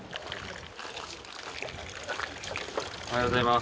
おはようございます。